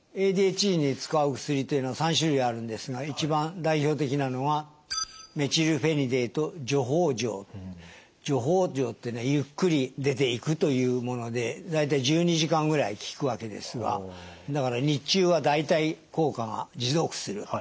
ＡＤＨＤに使う薬っていうのは３種類あるんですが一番代表的なのは徐放錠ってねゆっくり出ていくというもので大体１２時間ぐらい効くわけですがだから日中は大体効果が持続する。